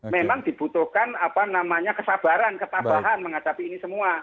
memang dibutuhkan kesabaran ketabahan menghadapi ini semua